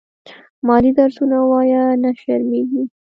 مالې درسونه ووايه نه شرمېږې.